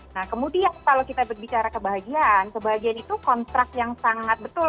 nah kemudian kalau kita berbicara kebahagiaan kebahagiaan itu kontrak yang sangat betul